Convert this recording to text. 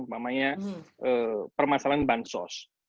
namanya permasalahan bansos